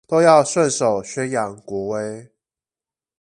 都要順手宣揚國威